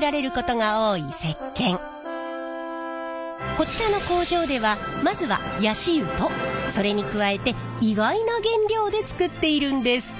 こちらの工場ではまずはヤシ油とそれに加えて意外な原料で作っているんです。